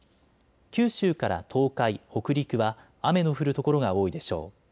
九州から東海、北陸は雨の降る所が多いでしょう。